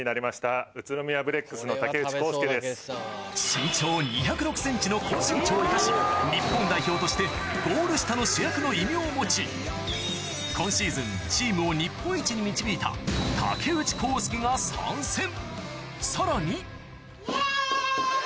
身長２０６ｃｍの高身長を生かし日本代表としてゴール下の主役の異名を持ち今シーズンチームを日本一に導いたが参戦